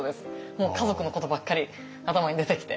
もう家族のことばっかり頭に出てきて。